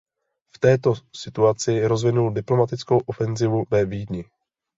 V této situaci rozvinul diplomatickou ofenzivu ve Vídni.